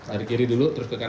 dari kiri dulu terus ke kanan